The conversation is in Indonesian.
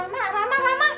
mas rama rama rama